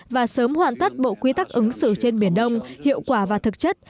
và sớm hoàn tất bộ quy tắc ứng xử trên biển đông hiệu quả và thực chất